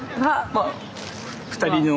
まあ２人の。